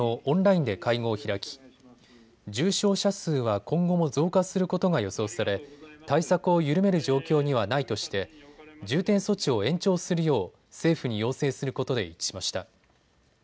オンラインで会合を開き重症者数は今後も増加することが予想され対策を緩める状況にはないとして重点措置を延長するよう政府に要請することで一致しました。